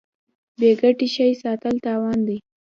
بې ګټې شی ساتل تاوان دی.